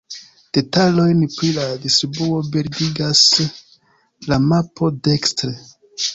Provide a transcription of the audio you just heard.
Detalojn pri la distribuo bildigas la mapo dekstre.